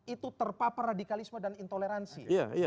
itu terpapar radikalisme dan intoleransi